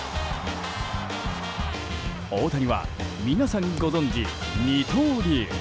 大谷は、皆さんご存じ二刀流。